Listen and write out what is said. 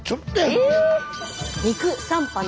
え⁉